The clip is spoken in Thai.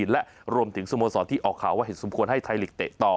และรวมถึงสโมสรที่ออกข่าวว่าเห็นสมควรให้ไทยลีกเตะต่อ